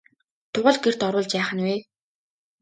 Тугал гэрт оруулж яах нь вэ?